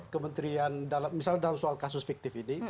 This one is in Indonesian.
kementerian dalam misalnya dalam soal kasus fiktif ini